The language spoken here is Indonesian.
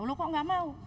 loh kok enggak mau